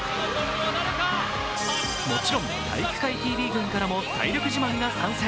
もちろん体育会ＴＶ軍からも体力自慢が参戦。